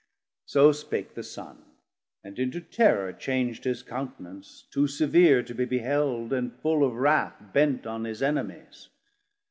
So spake the Son, and into terrour chang'd His count'nance too severe to be beheld And full of wrauth bent on his Enemies.